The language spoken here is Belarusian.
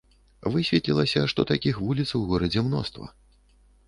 Высветлілася, што такіх вуліц у горадзе мноства.